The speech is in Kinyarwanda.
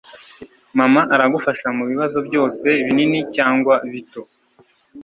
mama aragufasha mubibazo byose binini cyangwa bito